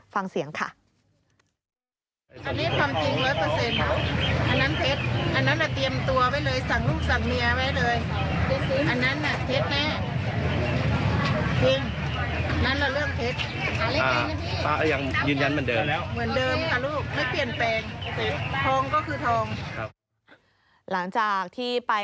ฟังเสียงค่ะ